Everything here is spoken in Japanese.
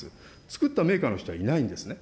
作ったメーカーの人はいないんですね。